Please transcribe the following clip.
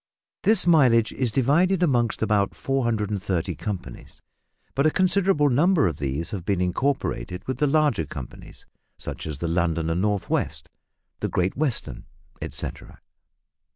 This mileage is divided amongst about 430 companies, but a considerable number of these have been incorporated with the larger companies, such as the London and North west, the Great Western, etcetera.